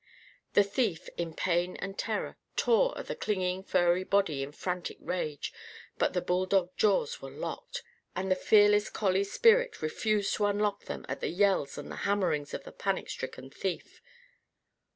The thief, in pain and terror, tore at the clinging furry body in frantic rage. But the bulldog jaws were locked, and the fearless collie spirit refused to unlock them at the yells and the hammerings of the panic stricken thief.